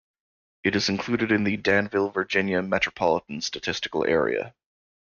It is included in the Danville, Virginia Metropolitan Statistical Area.